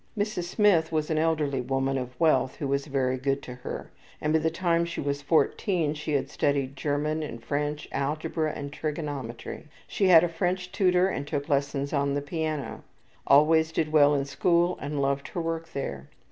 Mrs. Smith was an elderly woman of wealth who was very good to her, and by the time she was 14 she had studied German and French, algebra and trigonometry. She had a French tutor and took lessons on the piano. Always did well in school and loved her work there.